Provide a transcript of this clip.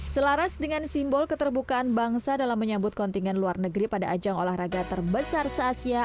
selaras dengan simbol keterbukaan bangsa dalam menyambut kontingen luar negeri pada ajang olahraga terbesar se asia